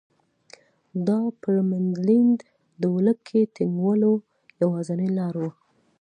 دا پر منډلینډ د ولکې ټینګولو یوازینۍ لاره وه.